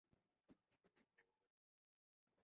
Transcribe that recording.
কী হয়েছিল তার?